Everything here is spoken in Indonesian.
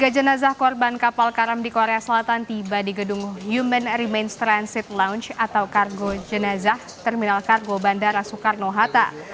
tiga jenazah korban kapal karam di korea selatan tiba di gedung human remains transit lounge atau kargo jenazah terminal kargo bandara soekarno hatta